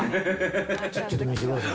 ちょっと見せてくださいよ。